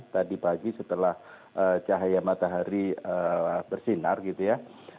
tadi pagi setelah cahaya matahari bersinar gitu ya